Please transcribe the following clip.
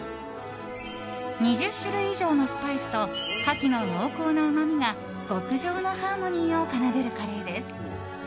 ２０種類以上のスパイスとカキの濃厚なうまみが極上のハーモニーを奏でるカレーです。